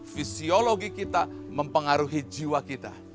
fisiologi kita mempengaruhi jiwa kita